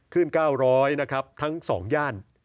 ๙๐๐นะครับทั้ง๒ย่าน